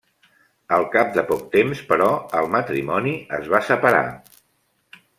Al cap de poc temps però, el matrimoni es va separar.